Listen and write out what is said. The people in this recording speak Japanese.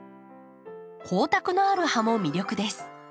光沢のある葉も魅力です。